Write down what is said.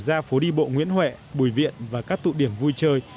ra phố đi bộ nguyễn huệ bùi viện và các tụ điểm vui chơi